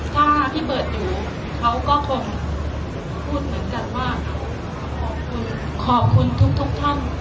ถ้าพี่เบิร์ตอยู่เขาก็คงพูดเหมือนกันว่าขอบคุณขอบคุณทุกท่าน